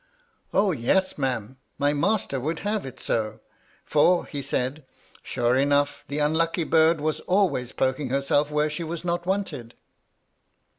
*^ O, yes, ma'am, my master would have it so, for he said, sure enough the unlucky bird was always poking herself where she was not wanted."